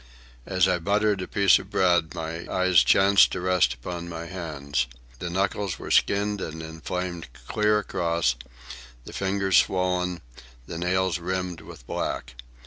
As I buttered a piece of bread my eyes chanced to rest upon my hand. The knuckles were skinned and inflamed clear across, the fingers swollen, the nails rimmed with black.